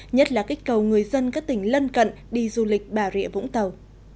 nhất là kích cầu người dân các tỉnh lân cận đi du lịch bà rịa vũng tàu